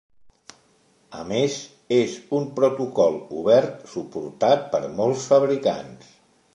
A més, és un protocol obert, suportat per molts fabricants.